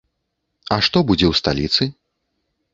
А што будзе ў сталіцы?